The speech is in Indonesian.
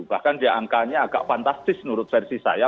bahkan diangkanya agak fantastis menurut versi saya